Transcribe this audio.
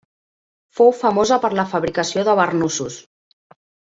Fou famosa per la fabricació de barnussos.